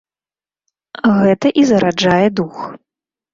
Гэта і зараджае дух.